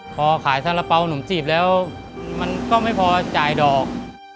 พอขายสาระเป๋าหนมจีบแล้วมันก็ไม่พอจ่ายดอก